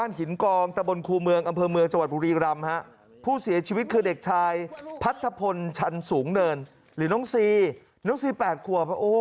น้องสีแปดขวบโอ้โหลูกฮะ